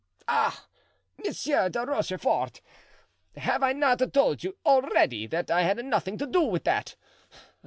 "Ah, Monsieur de Rochefort! have I not told you already that I had nothing to do with that?